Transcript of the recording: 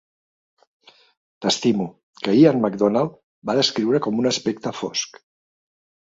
"T'estimo", que Ian MacDonald va descriure com "un aspecte fosc".